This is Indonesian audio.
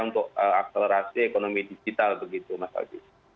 untuk akselerasi ekonomi digital begitu mas aldi